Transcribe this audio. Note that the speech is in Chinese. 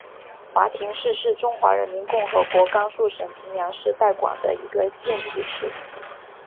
华亭市是中华人民共和国甘肃省平凉市代管的一个县级市。